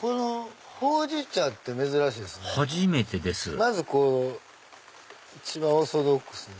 まず一番オーソドックスな。